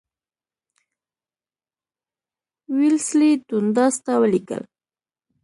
ویلسلي ډونډاس ته ولیکل.